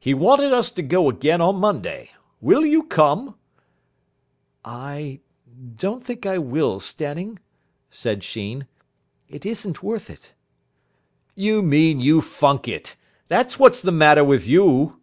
"He wanted us to go again on Monday. Will you come?" "I don't think I will, Stanning," said Sheen. "It isn't worth it." "You mean you funk it. That's what's the matter with you."